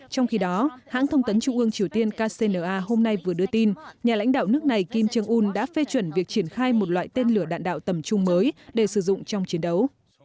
trong khi đó hãng thông tấn trung ương triều tiên kcna hôm nay vừa đưa tin nhà lãnh đạo nước này kim jong un đã phê chuẩn việc triển khai một loại tên lửa đạn đạo tầm trung mới để sử dụng trong chiến đấu